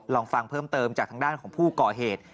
ลองฟังเพิ่มเติมจากทางด้านของผู้ก่อเหตุ